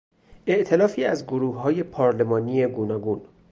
ائتلافی از گروههای پارلمانی گوناگون